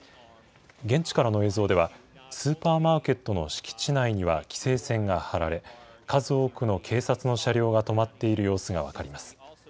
現地からの映像では、スーパーマーケットの敷地内には規制線が張られ、数多くの警察の車両が止まっている様子が分かります。